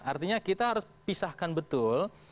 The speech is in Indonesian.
artinya kita harus pisahkan betul